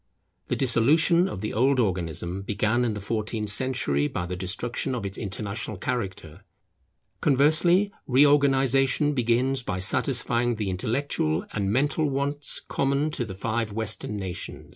The dissolution of the old organism began in the fourteenth century by the destruction of its international character. Conversely, reorganization begins by satisfying the intellectual and mental wants common to the five Western nations.